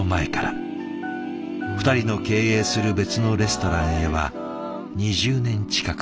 ２人の経営する別のレストランへは２０年近く通っていた。